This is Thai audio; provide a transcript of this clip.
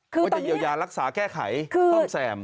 ว่าจะเยียวยารักษาแก้ไขซ่อมแซม